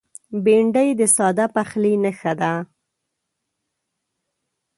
بېنډۍ د ساده پخلي نښه ده